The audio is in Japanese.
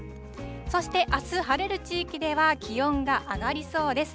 そしてあす、晴れる地域では気温が上がりそうです。